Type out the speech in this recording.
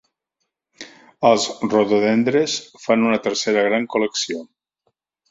Els rododendres fan una tercera gran col·lecció.